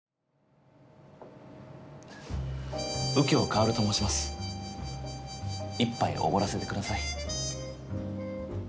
右京カオルと申します一杯おごらせてください